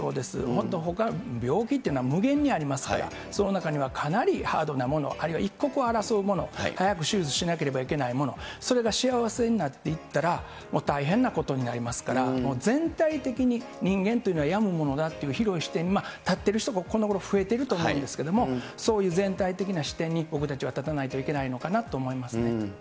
もっとほか、病気っていうのは無限にありますから、その中にはかなりハードなもの、あるいは一刻を争うもの、早く手術しなければいけないもの、それがしわ寄せになっていったら、大変なことになりますから、全体的に人間というのは病むものだっていう広い視点に立っている人がこのごろは増えていると思うんですけれども、そういう全体的な視点に、僕たちは立たないといけないのかなと思いますね。